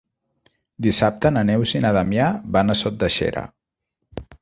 Dissabte na Neus i na Damià van a Sot de Xera.